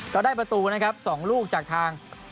ได้ประตูนะครับ๒ลูกจากทาง